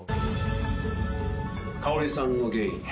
香織さんの原因